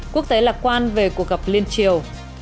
quốc tế lạc quan về cuộc gặp liên triều